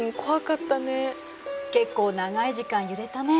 結構長い時間揺れたね。